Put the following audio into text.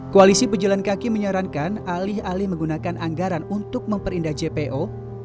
koalisi pejalan kaki menyarankan alih alih menggunakan anggaran untuk memperindah jpo